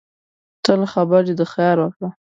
تل خبرې د خیر وکړه